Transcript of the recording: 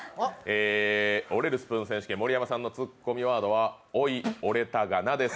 折れるスプーン選手権、盛山さんのツッコミワードは「おい、折れたがな」です。